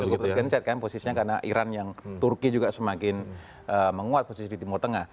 cukup tergencet kan posisinya karena iran yang turki juga semakin menguat posisi di timur tengah